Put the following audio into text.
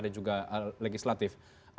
dan juga legislatif